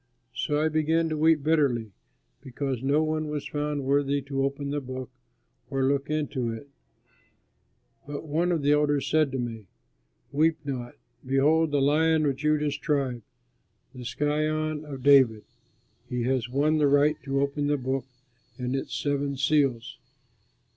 So I began to weep bitterly because no one was found worthy to open the book or look into it; but one of the elders said to me: "Weep not; behold the Lion of Judah's tribe, the Scion of David he has won the right to open the book and its seven seals."